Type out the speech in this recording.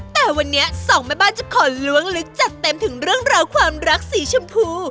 แต่วันนี้สองแม่บ้านจะขอล้วงลึกจัดเต็มถึงเรื่องราวความรักสีชมพู